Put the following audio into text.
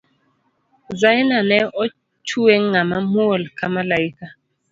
Zaina ne ochwe ng'ama muol ka maliaka